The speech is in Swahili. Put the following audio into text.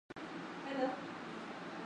naitwa nurdin selumani kila la heri